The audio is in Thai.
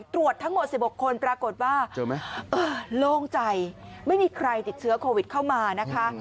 ตรวจทั้งหมด๑๖คนปรากฏว่าโล่งใจไม่มีใครติดเชื้อโควิดเข้ามานะคะ